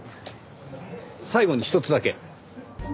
最後にひとつだけ。